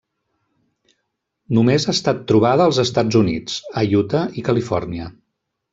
Només ha estat trobada als Estats Units, a Utah i Califòrnia.